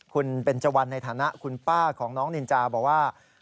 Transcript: คุณเบนเจวันในฐานะคุณป้าของน้องนินจาบอกว่า